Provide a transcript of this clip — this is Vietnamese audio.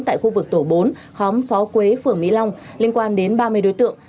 tại khu vực tổ bốn khóm phó quế phường mỹ long liên quan đến ba mươi đối tượng